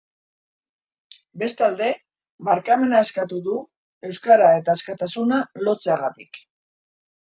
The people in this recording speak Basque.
Bestalde, barkamena eskatu du euskara eta askatasuna lotzeagatik.